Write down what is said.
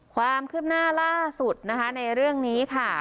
ความขึ้นหน้าล่าสุดนี่นะคะ